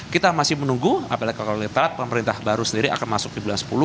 kita masih menunggu apalagi kalau kita lihat pemerintah baru sendiri akan masuk di bulan sepuluh